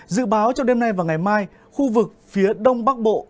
dự báo trong đêm nay và ngày mai khu vực phía đông bắc bộ